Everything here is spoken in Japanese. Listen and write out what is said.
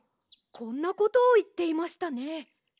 こんなことをいっていましたね。